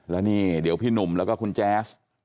แล้วนี่เดี๋ยวพี่หนุ่มแล้วก็คุณแจ๊ส